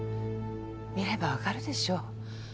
見れば分かるでしょう。